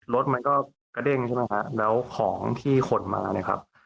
รถมันก็กระเด้งใช่ไหมฮะแล้วของที่ขนมาเนี่ยครับ